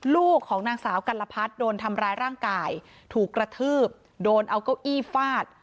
ลูกของนางสาวกัลพัฒน์โดนทำร้ายร่างกายถูกกระทืบโดนเอาเก้าอี้ฟาด